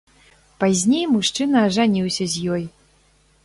Пазней мужчына ажаніўся з ёй.